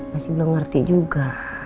masih belum ngerti juga